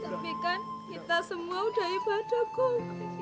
tapi kan kita semua udah ibadah kong